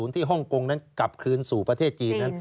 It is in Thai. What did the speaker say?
ฮ่องกงนั้นกลับคืนสู่ประเทศจีนนั้น